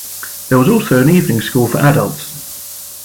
There was also an evening school for adults.